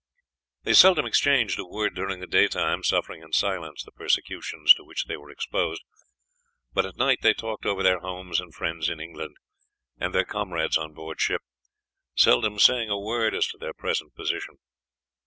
They seldom exchanged a word during the daytime, suffering in silence the persecutions to which they were exposed, but at night they talked over their homes and friends in England, and their comrades on board ship, seldom saying a word as to their present position.